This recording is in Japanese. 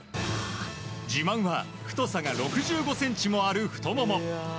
自慢は太さが６５ｃｍもある太もも。